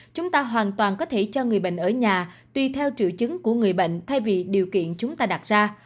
chúng ta hoàn toàn có thể cho người bệnh ở nhà tuy theo triệu chứng của người bệnh thay vì điều kiện chúng ta đặt ra